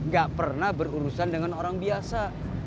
gak pernah berurusan dengan orang biasa